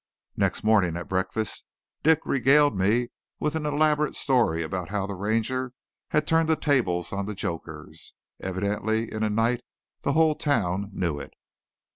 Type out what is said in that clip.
Next morning at breakfast Dick regaled me with an elaborate story about how the Ranger had turned the tables on the jokers. Evidently in a night the whole town knew it.